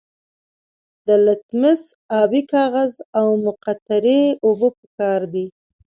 د لتمس ابي کاغذ او مقطرې اوبه پکار دي.